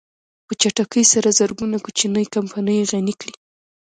په چټکۍ سره زرګونه کوچنۍ کمپنۍ يې غني کړې.